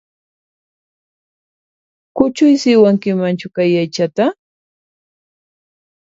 Kuchuysiwankimanchu kay aychata?